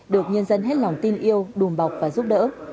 được nhân dân hết lòng tin yêu đùm bọc và giúp đỡ